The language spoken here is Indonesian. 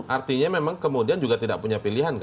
artinya memang kemudian juga tidak punya pilihan kan